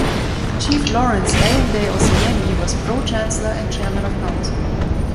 Chief Lawrence Ayinde Osayemi was Pro-Chancellor and Chairman of Council.